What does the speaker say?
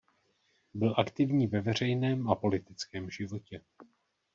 Byl aktivní ve veřejném a politickém životě.